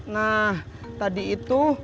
nah tadi itu